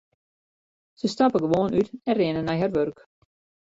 Se stappe gewoan út en rinne nei har wurk.